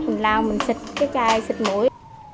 mình lao mình xịt cái cây xịt mũi